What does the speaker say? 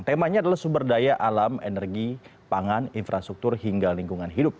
temanya adalah sumber daya alam energi pangan infrastruktur hingga lingkungan hidup